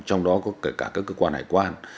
trong đó có cả các cơ quan hải quan